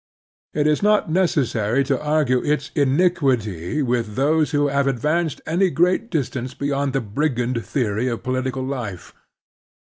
It is not necessary to argue its iniquity with those who have advanced any great distance beyond the brigand theory of political life.